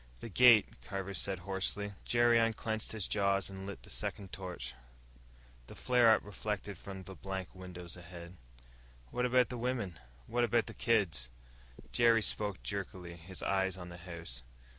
"The gate," Carver said hoarsely. Jerry unclenched his jaws and lit the second torch. The flare up reflected from the blank windows ahead. "What about the wimmen? What about the kids?" Jerry spoke jerkily, his eyes on the house.